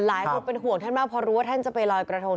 หลายคนเป็นห่วงท่านมากเพราะรู้ว่าท่านจะไปลอยกระทง